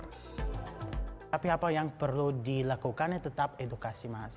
tapi apa yang perlu dilakukan tetap edukasi mas